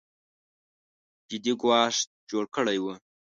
جدي ګواښ جوړ کړی و